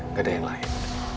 gak ada yang lain